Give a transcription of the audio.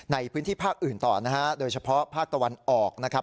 ในพื้นที่ภาคอื่นต่อนะฮะโดยเฉพาะภาคตะวันออกนะครับ